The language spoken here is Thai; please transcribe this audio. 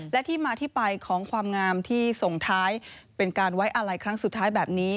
และที่มาที่ไปของความงามที่ส่งท้ายเป็นการไว้อาลัยครั้งสุดท้ายแบบนี้